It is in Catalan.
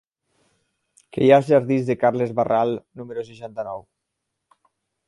Què hi ha als jardins de Carles Barral número seixanta-nou?